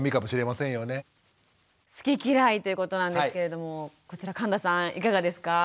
好き嫌いということなんですけれどもこちら神田さんいかがですか？